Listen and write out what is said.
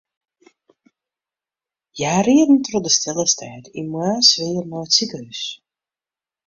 Hja rieden troch de stille stêd yn moarnssfear nei it sikehús.